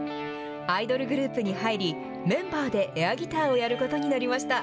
アイドルグループに入り、メンバーでエアギターをやることになりました。